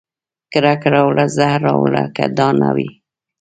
کرکه راوړه زهر راوړه که دا نه وي